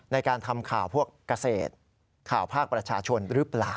ในการทำข่าวพวกเกษตรข่าวภาคประชาชนหรือเปล่า